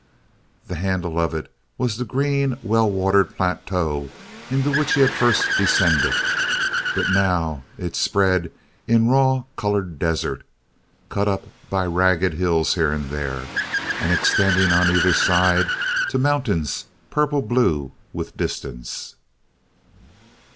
The handle of it was the green, well watered plateau into which he had first descended, but now it spread in raw colored desert, cut up by ragged hills here and there, and extending on either side to mountains purple blue with distance.